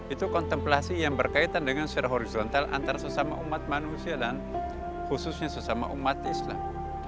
itu kontemplasi yang berkaitan dengan secara horizontal antara sesama umat manusia dan khususnya sesama umat islam